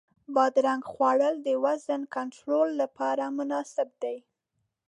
بادرنګ خوړل د وزن کنټرول لپاره مناسب دی.